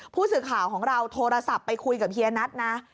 ผู้สื่อข่าวของเราโทรศัพท์ไปคุยกับเฮียนัทนะ